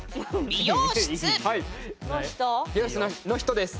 「美よう室の人」です。